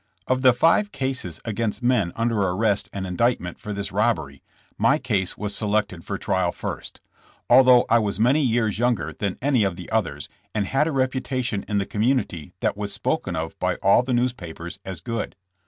Of the five cases against men under arrest and indictment for this robbery, my case was selected for trial first, although I was many years younger than any of the others and had a reputation in the community that was spoken of by all the newspapers as good.